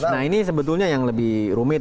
nah ini sebetulnya yang lebih rumit